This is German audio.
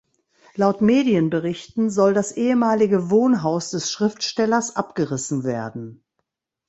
Laut Medienberichten soll das ehemalige Wohnhaus des Schriftstellers abgerissen werden.